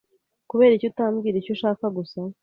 kuberiki utambwira icyo ushaka gusa?